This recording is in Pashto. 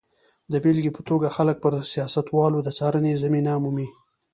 د بېلګې په توګه خلک پر سیاستوالو د څارنې زمینه مومي.